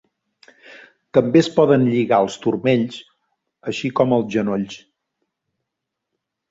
També es poden lligar els turmells, així com els genolls.